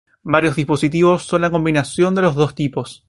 Varios dispositivos son la combinación de los dos tipos.